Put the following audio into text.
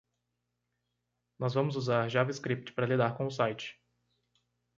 Nós vamos usar JavaScript para lidar com o site.